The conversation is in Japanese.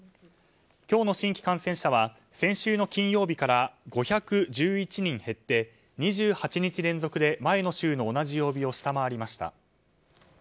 今日の新規感染者は先週の金曜日から５１１人減って２８日連続で前の週の同じ曜日を下回りました。